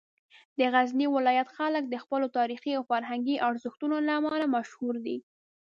د غزني ولایت خلک د خپلو تاریخي او فرهنګي ارزښتونو له امله مشهور دي.